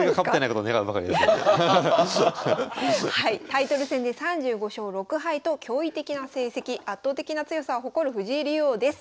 タイトル戦で３５勝６敗と驚異的な成績圧倒的な強さを誇る藤井竜王です。